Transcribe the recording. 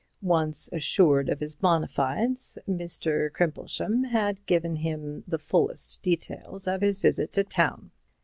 Once assured of his bona fides, Mr. Crimplesham had given him the fullest details of his visit to town.